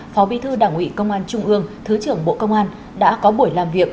phó bi thư đảng ủy công an trung ương thứ trưởng bộ công an đã có buổi làm việc